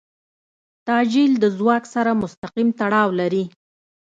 تعجیل د ځواک سره مستقیم تړاو لري.